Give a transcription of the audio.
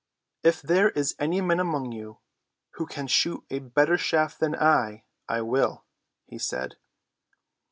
"If there is any man among you who can shoot a better shaft than I, I will," he said.